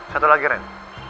satu lagi ren